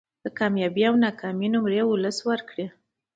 د کامیابۍ او ناکامۍ نمرې ولس ورکړي